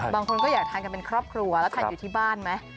บางคนก็อยากทานกันเป็นครอบครัวแล้วทานอยู่ที่บ้านไหม